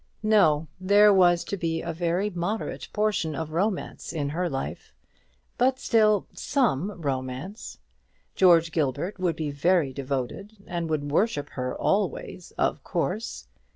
No, there was to be a very moderate portion of romance in her life; but still some romance. George Gilbert would be very devoted, and would worship her always, of course.